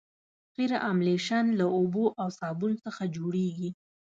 قیر املشن له اوبو او صابون څخه جوړیږي